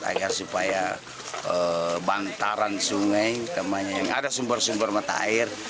agar supaya bantaran sungai kebanyakan yang ada sumber sumber mata air